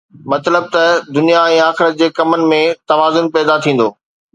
مطلب ته دنيا ۽ آخرت جي ڪمن ۾ توازن پيدا ٿيندو.